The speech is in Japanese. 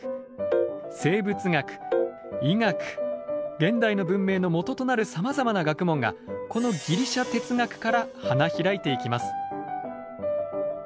現代の文明のもととなるさまざまな学問がこのギリシャ哲学から花開いていきます。